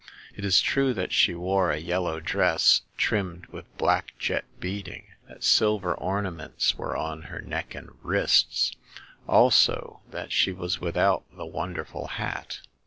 It is true that she wore a yellow dress trimmed with black jet beading ; that silver ornaments were on her neck and wrists ; also that she was without the wonderful hat.